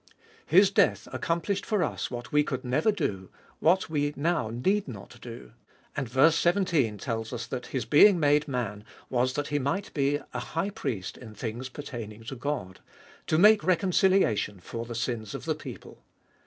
His death accomplished for us what we never could, what we now need not do. And ver. 17 tells us that His being made Man was that He might be a High Priest in things pertaining to God ; to make reconciliation for the sins of the people.